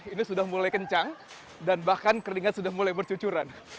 ini sudah mulai kencang dan bahkan keringat sudah mulai bercucuran